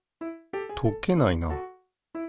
溶けないな。